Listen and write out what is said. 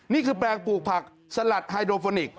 นี่คือแปลงปลูกผักสลัดไฮโดโฟนิกส